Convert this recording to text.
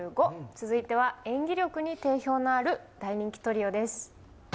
続いては演技力に定評のある大人気トリオです。